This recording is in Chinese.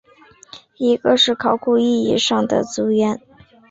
一个是考古意义上的族源。